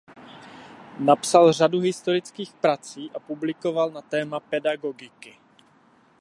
Napsal řadu historických prací a publikoval na téma pedagogiky.